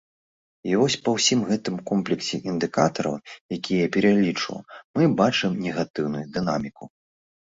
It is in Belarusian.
І вось па ўсім гэтым комплексе індыкатараў, якія я пералічыў, мы бачым негатыўную дынаміку.